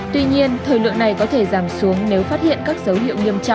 tuy nhiên thời lượng này có thể giảm xuống nếu phát hiện các dấu hiệu nghiêm trọng